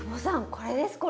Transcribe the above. これですこれ！